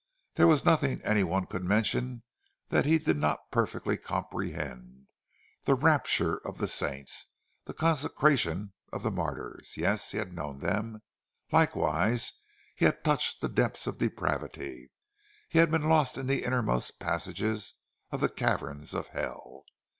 There was nothing any one could mention that he did not perfectly comprehend: the raptures of the saints, the consecration of the martyrs—yes, he had known them; likewise he had touched the depths of depravity, he had been lost in the innermost passages of the caverns of hell.